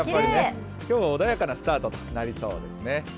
今日、穏やかなスタートとなりそうですね。